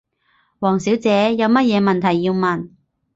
王小姐，有乜嘢問題要問？